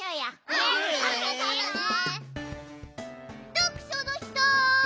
どくしょのひと！